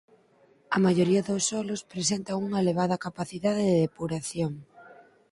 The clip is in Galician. A maioría dos solos presentan unha elevada capacidade de depuración.